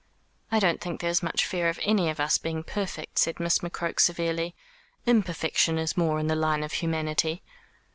"I don't think there is much fear of any of us being perfect," said Miss McCroke severely. "Imperfection is more in the line of humanity."